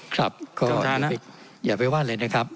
ครับขออภิกษ์อย่าไปว่าอะไรนะครับ